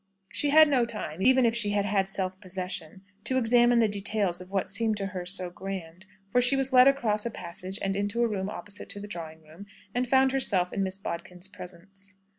She had no time, even if she had had self possession, to examine the details of what seemed to her so grand, for she was led across a passage and into a room opposite to the drawing room, and found herself in Miss Bodkin's presence.